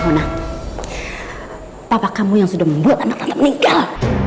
anak papa kamu yang sudah membuat anak anak meninggal